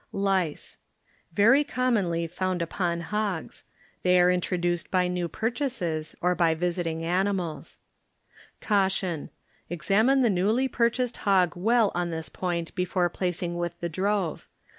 Lice. ŌĆö Very commonly found upon hogs. They are introduced by new pur diases or by visiting animals. Caution. ŌĆö Examine the newly pur chased hog well on this point before placing with the drove.